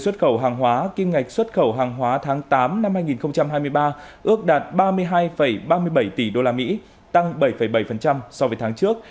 tổng kim ngạch xuất nhập khẩu hàng hóa ước đạt ba mươi hai ba mươi bảy tỷ usd tăng bảy bảy so với tháng trước